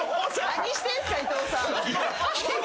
何してんすか伊藤さん。